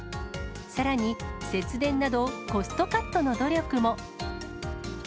さらに、節電など、コストカットの努力も。